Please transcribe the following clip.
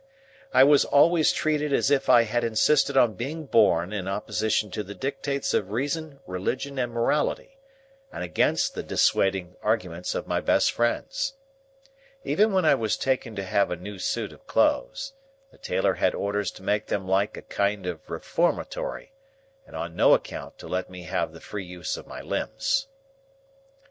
I was always treated as if I had insisted on being born in opposition to the dictates of reason, religion, and morality, and against the dissuading arguments of my best friends. Even when I was taken to have a new suit of clothes, the tailor had orders to make them like a kind of Reformatory, and on no account to let me have the free use of my limbs.